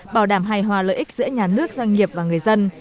bảo đảm hài hòa lợi ích giữa nhà nước doanh nghiệp và người dân